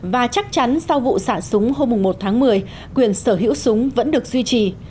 và chắc chắn sau vụ xả súng hôm một tháng một mươi quyền sở hữu súng vẫn được duy trì